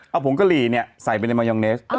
เอาผงกะหรี่ใส่ไปในมายองเนส